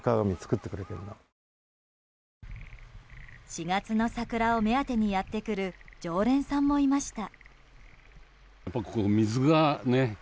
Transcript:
４月の桜を目当てにやってくる常連さんもいました。